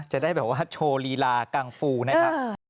จะได้แบบว่าโชว์ลีลากังฟูนะครับ